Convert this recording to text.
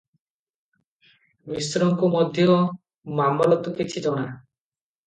ମିଶ୍ରଙ୍କୁ ମଧ୍ୟ ମାମଲତ କିଛି ଜଣା ।